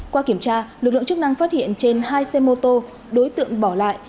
qua kiểm tra lực lượng chức năng phát hiện trên hai xe mô tô đối tượng bỏ lại